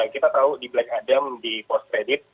kita tahu di black adam di post kredit